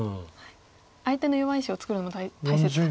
相手の弱い石を作るのが大切と。